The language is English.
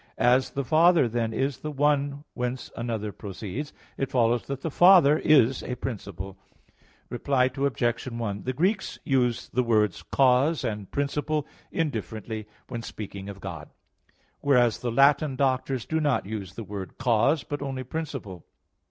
As the Father then is the one whence another proceeds, it follows that the Father is a principle. Reply Obj. 1: The Greeks use the words "cause" and "principle" indifferently, when speaking of God; whereas the Latin Doctors do not use the word "cause," but only "principle."